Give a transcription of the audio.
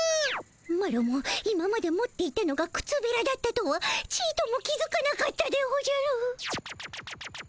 マロも今まで持っていたのがくつべらだったとはちとも気づかなかったでおじゃる。